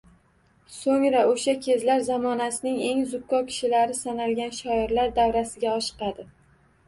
So‘ngra o‘sha kezlar zamonasining eng zukko kishilari sanalgan shoirlar davrasiga oshiqadi